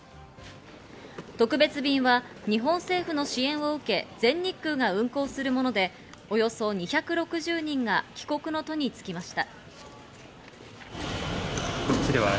特別便は日本政府の支援を受け全日空が運航するもので、およそ２６０人が帰国の途につきました。